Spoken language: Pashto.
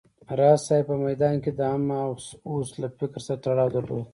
راز د تصوف په ميدان کې د همه اوست له فکر سره تړاو درلود